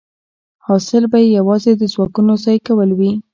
حاصل به یې یوازې د ځواکونو ضایع کول وي